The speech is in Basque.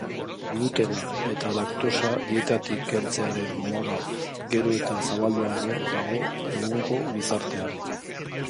Glutena eta laktosa dietatik kentzearen moda gero eta zabalduago dago egungo gizartean.